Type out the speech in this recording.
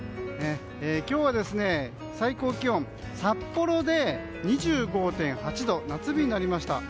今日は最高気温札幌で２５．８度夏日になりました。